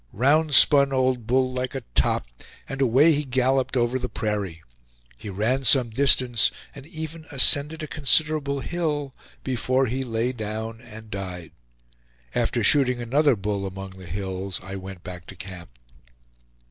Round spun old bull like a top, and away he galloped over the prairie. He ran some distance, and even ascended a considerable hill, before he lay down and died. After shooting another bull among the hills, I went back to camp.